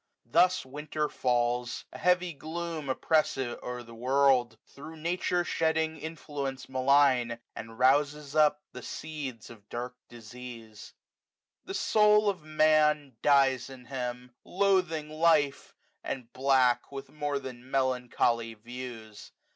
Thus Winter falls, A heavy gloom oppressive o'er the world j A A i^9 W I M T E IL Thro* Nature shedding influence malign^ And rouses up the seeds of d&rk dis^se^ ^ The soul of Man dies in him, loathing life^ And black with more than melancholy views.